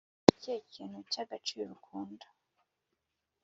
ni ikihe kintu cy’agaciro ukunda